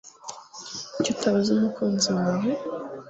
Kuki utabaza umukunzi wawe